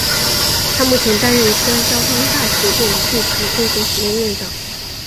他目前担任西安交通大学电子信息与工程学院院长。